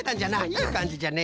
いいかんじじゃね。